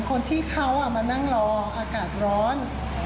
คนที่เขามานั่งรออากาศร้อน